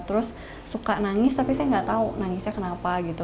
terus suka nangis tapi saya nggak tahu nangisnya kenapa gitu